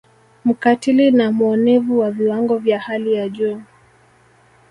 Mkatili na muonevu wa viwango vya hali ya juu